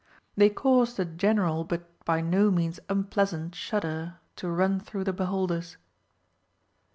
They caused a general but by no means unpleasant shudder to run through the beholders.